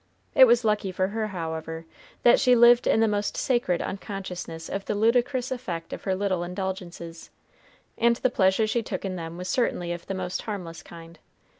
It was lucky for her, however, that she lived in the most sacred unconsciousness of the ludicrous effect of her little indulgences, and the pleasure she took in them was certainly of the most harmless kind.